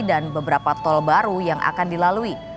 dan beberapa tol baru yang akan dilalui